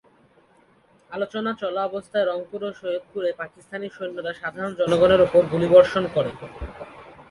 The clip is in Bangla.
আলোচনা চলা অবস্থায় রংপুর ও সৈয়দপুরে পাকিস্তানি সৈন্যরা সাধারণ জনগণের ওপর গুলিবর্ষণ করে।